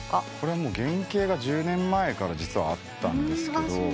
原形が１０年前から実はあったんですけど。